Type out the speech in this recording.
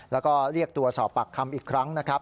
แล้วก็เรียกตัวสอบปากคำอีกครั้งนะครับ